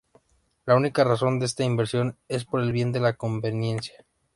La única razón de esta inversión es por el bien de la conveniencia.